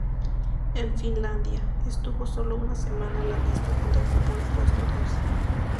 En Finlandia, estuvo solo una semana la lista, donde ocupó el puesto doce.